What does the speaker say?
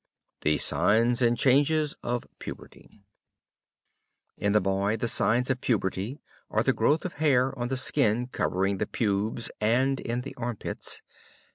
THE SIGNS AND CHANGES OF PUBERTY In the boy the signs of puberty are the growth of hair on the skin covering the pubes and in the armpits.